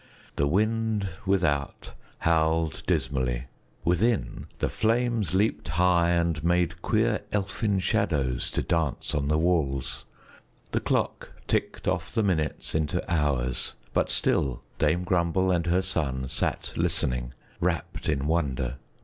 The wind without howled dismally; within, the flames leaped high and made queer elfin shadows to dance on the walls; the clock ticked off the minutes into hours, but still Dame Grumble and her son sat listening, wrapt in wonder.